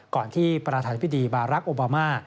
ก่อนที่ประธานพิธีบารักษ์โอบามา